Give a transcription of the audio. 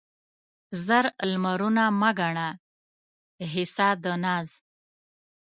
زر لمرونه مه ګڼه حصه د ناز